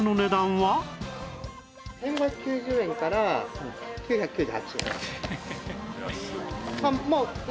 １５９０円から９９８円。